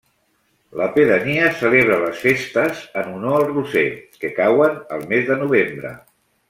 La pedania celebra les festes en honor al Roser, que cauen el mes de novembre.